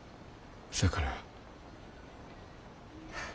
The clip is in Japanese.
そやから。